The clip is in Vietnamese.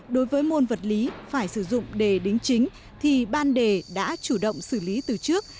đối với môn vật lý phải sử dụng để đính chính thì ban đề đã chủ động xử lý từ trước